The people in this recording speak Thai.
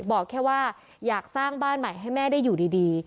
บอกแค่ว่าอยากสร้างบ้านใหม่ให้แม่ได้อยู่ดี